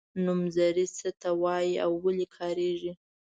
نومځري څه ته وايي او ولې کاریږي.